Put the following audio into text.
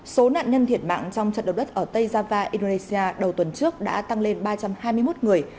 số nạn nhân thiệt mạng trong trận động đất ở tây java indonesia đầu tuần trước đã tăng lên ba trăm hai mươi một người